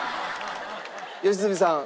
良純さん